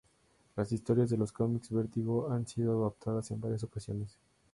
Las historias de los cómics Vertigo han sido adaptadas en varias ocasiones.